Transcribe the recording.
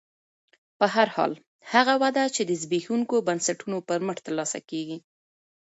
په هر حال هغه وده چې د زبېښونکو بنسټونو پر مټ ترلاسه کېږي